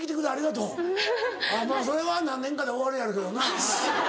それは何年かで終わるやろけどな。